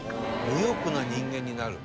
無欲な人間になる。